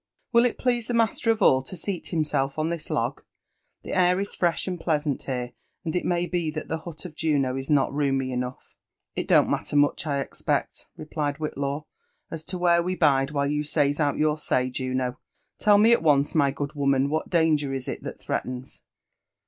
" Will it please the master of all (o JONATHAN Jf^fFERSON V^HITIAW. 359 seat himself on this log?— Th$ air is fre^h aod pleasant here, and It may be that the hut of Juno is not roomy enough/' •' It don't matter much, I expect," repUied Whitlaw, as to where wa bide while you says put your gfliy , Juno;. Tell me at Once, my goo4 woman, what danger is it that tbrpatcins?